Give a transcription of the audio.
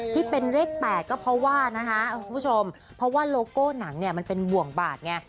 ที่เป็นเลข๘ก็เพราะว่านะคะคุณผู้ชมเพราะว่าโลโก้หนังเนี่ยมันเป็นบ่วงบาดไง